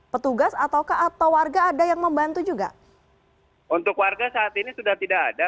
pada saat ini sudah tidak ada